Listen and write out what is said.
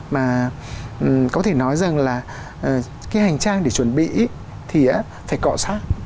mà có thể nói rằng là cái hành trang để chuẩn bị thì phải cọ sát